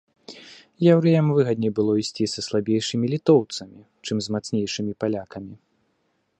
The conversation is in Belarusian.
Яўрэям выгадней было ісці са слабейшымі літоўцамі, чым з мацнейшымі палякамі.